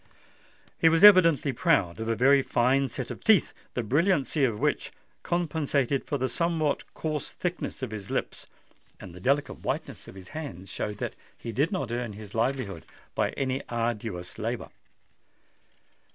He was evidently proud of a very fine set of teeth, the brilliancy of which compensated for the somewhat coarse thickness of his lips; and the delicate whiteness of his hands showed that he did not earn his livelihood by any arduous labour.